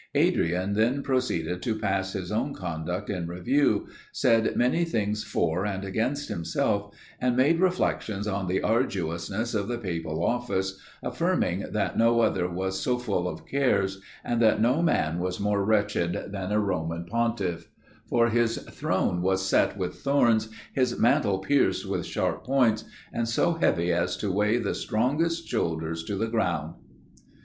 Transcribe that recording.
Adrian then proceeded to pass his own conduct in review, said many things for and against himself, and made reflections on the arduousness of the papal office, affirming that no other was so full of cares, and that no man was more wretched than a Roman Pontiff: "for his throne was set with thorns, his mantle pierced with sharp points, and so heavy as to weigh the strongest shoulders to the ground."